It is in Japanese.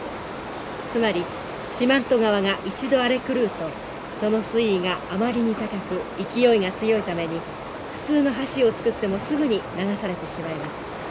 つまり四万十川が一度荒れ狂うとその水位があまりに高く勢いが強いために普通の橋を造ってもすぐに流されてしまいます。